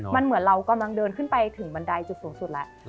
มันเหมือนเรากำลังเดินขึ้นไปถึงบันไดจุดสูงสุดแล้ว